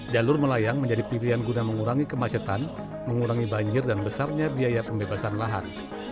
jalur melayang menjadi pilihan guna mengurangi kemacetan mengurangi banjir dan besarnya biaya pembebasan lahan